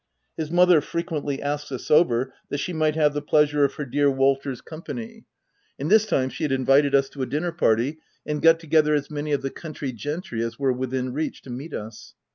His mother frequently asks us over that she may have the pleasure of her dear Walter's com G 3 130 THE TENANT pany ; and this time she had invited us to a dinner party, and got together as many of the country gentry as were within reach to meet us.